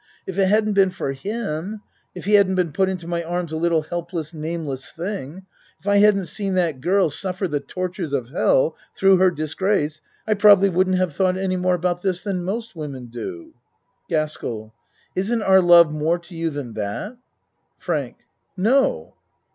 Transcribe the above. If it hadn't been for him if he hadn't been put into my arms a little helpless, nameless thing if I hadn't seen that girl suffer the tortures of hell through her disgrace, I probably wouldn't have thought any more about this than most women do. GASKELL Isn't our love more to you than that ? FRANK No!